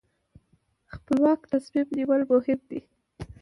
خپلواک تصمیم نیول مهم دي.